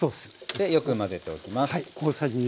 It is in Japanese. でよく混ぜておきます。